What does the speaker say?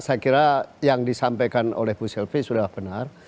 saya kira yang disampaikan oleh bu sylvi sudah benar